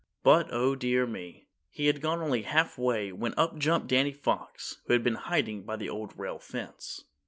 But, oh dear me. He had gone only half way when up jumped Danny Fox, who had been hiding by the Old Rail Fence.